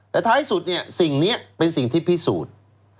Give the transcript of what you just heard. แต่ท้ายสุดเนี่ยสิ่งนี้เป็นสิ่งที่พิสูจน์